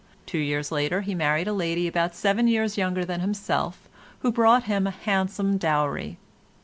Two years later he married a lady about seven years younger than himself, who brought him a handsome dowry.